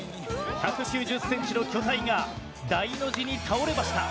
１９０センチの巨体が大の字に倒れました。